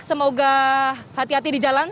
semoga hati hati di jalan